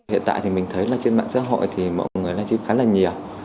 hiện tại thì mình thấy là trên mạng xã hội thì mọi người là chứ khá là nhiều